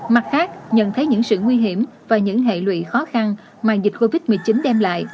mặt khác nhận thấy những sự nguy hiểm và những hệ lụy khó khăn mà dịch covid một mươi chín đem lại